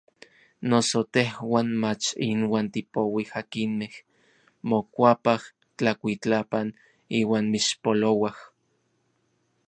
Noso tejuan mach inuan tipouij akinmej mokuapaj tlakuitlapan iuan mixpolouaj.